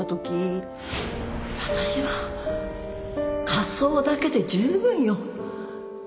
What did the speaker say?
私は火葬だけで十分よ